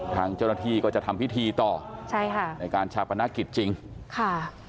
ทางเจ้าหน้าที่ก็จะทำพิธีต่อใช่ค่ะในการชาปนกิจจริงค่ะ